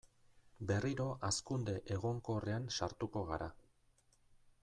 Berriro hazkunde egonkorrean sartuko gara.